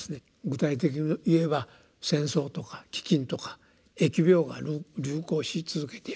具体的に言えば戦争とか飢饉とか疫病が流行し続けている。